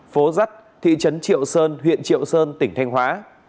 phố dắt thị trấn triệu sơn huyện triệu sơn tỉnh thanh hóa